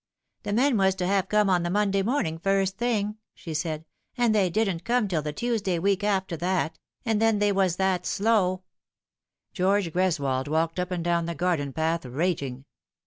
" The men was to have come on the Monday morning, first thing," she said, " and they didn't come till the Tuesday week after that, and then they was that slow " George Greswold walked up and down the garden path, raging.